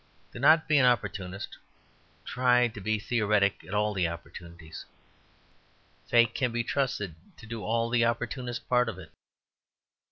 Do not be an opportunist; try to be theoretic at all the opportunities; fate can be trusted to do all the opportunist part of it.